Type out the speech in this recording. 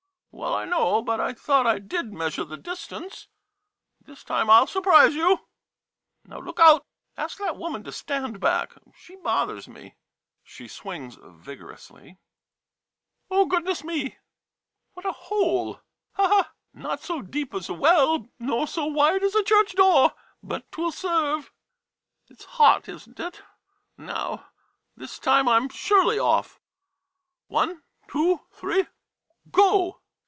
Well, I know, but I thought I did measure the distance. This time I '11 surprise you. Now, look out ! Ask that woman to stand back — she bothers me. [She swings vigorously.] 103 MODERN MONOLOGUES Oh, goodness me !— what a " hole "! " Not so deep as a well, nor so wide as a church door, — but 't will serve/' It's hot, is n't it? Now — this time I'm surely off. One — two — three — go!